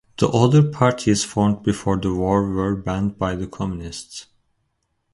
The other parties formed before the war were banned by the Communists.